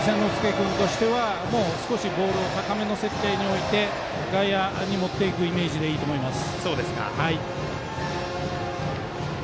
君としてはもう少しボールを高めの設定において外野に持っていくイメージでいいと思います。